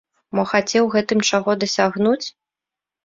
Мо хацеў гэтым чаго дасягнуць?